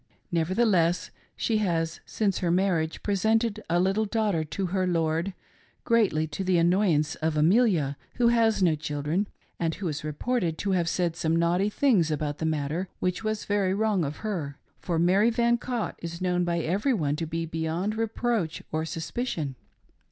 Nevertheless, she has since her marriage presented a little daughter to her lord, greatly to the annoy ance of Amelia, who has no children, and who is reported to have said some naughty things about the matter, which was very wrong of her, for Mary Van Cott is known by every one to be beyond reproach or suspicion.